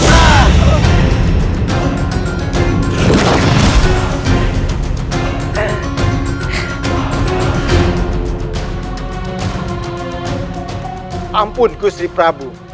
ampun gusri prabu